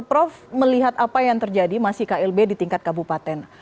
prof melihat apa yang terjadi masih klb di tingkat kabupaten